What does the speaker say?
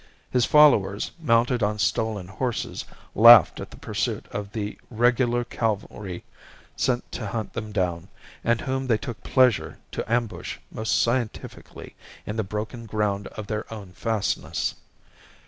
His followers, mounted on stolen horses, laughed at the pursuit of the regular cavalry sent to hunt them down, and whom they took pleasure to ambush most scientifically in the broken ground of their own fastness.